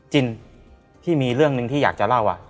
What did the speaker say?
จริงที่มีเรื่องหนึ่งที่อยากจะเล่า